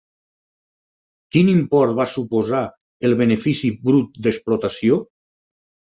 Quin import va suposar el benefici brut d'explotació?